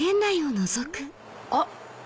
あっ！